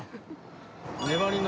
粘りの。